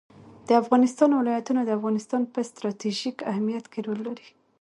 د افغانستان ولايتونه د افغانستان په ستراتیژیک اهمیت کې رول لري.